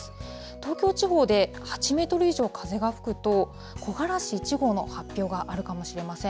東京地方で８メートル以上風が吹くと、木枯らし１号の発表があるかもしれません。